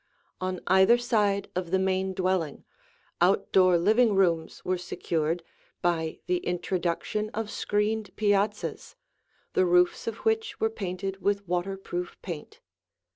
On either side of the main dwelling, outdoor living rooms were secured by the introduction of screened piazzas, the roofs of which were painted with water proof paint.